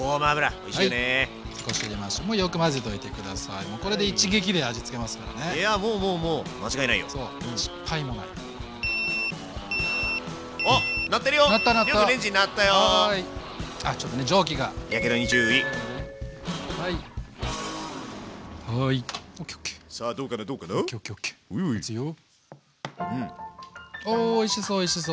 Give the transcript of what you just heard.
おおいしそうおいしそうおいしそう。